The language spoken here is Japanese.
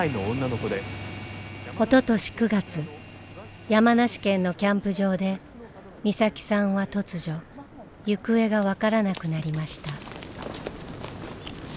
おととし９月山梨県のキャンプ場で美咲さんは突如行方が分からなくなりました。